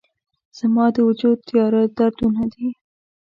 زما د وجود تیاره دردونه دي